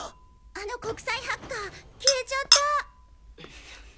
あの国際ハッカー消えちゃった。